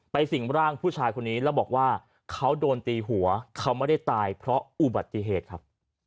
สิ่งร่างผู้ชายคนนี้แล้วบอกว่าเขาโดนตีหัวเขาไม่ได้ตายเพราะอุบัติเหตุครับ